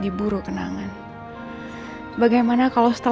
lama sekali konon dari miripku izal inzal